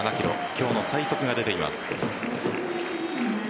今日の最速が出ています。